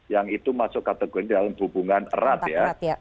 yang itu masuk kategori dalam hubungan erat ya